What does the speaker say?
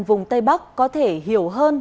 vùng tây bắc có thể hiểu hơn